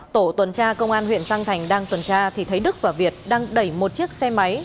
tổ tuần tra công an huyện giang thành đang tuần tra thì thấy đức và việt đang đẩy một chiếc xe máy